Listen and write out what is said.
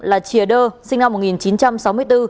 là chìa đơ sinh năm một nghìn chín trăm sáu mươi bốn